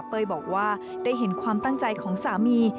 บอกว่าได้เห็นความตั้งใจของสามี